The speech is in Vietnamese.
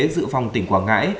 dự phòng tỉnh quảng ngãi